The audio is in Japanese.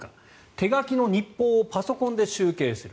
手書きの日報をパソコンで集計する。